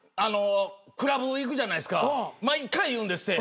クラブ行くじゃないですか毎回言うんですって。